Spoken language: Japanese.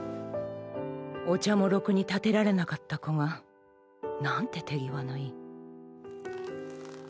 お茶もろくにたてられなかった子がなんて手際のいい。